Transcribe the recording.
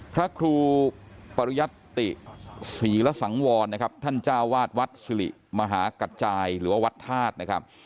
พระครูปริยัตติศรีละสังวรนะครับท่านเจ้าวาดวัดสิริมหากัจจายหรือว่าวัดธาตุนะครับ